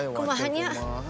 aduh karung ya